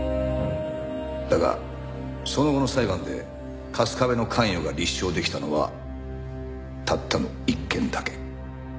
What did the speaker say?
だがその後の裁判で春日部の関与が立証できたのはたったの１件だけ。